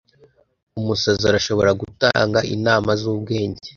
umusazi arashobora gutanga inama zubwenge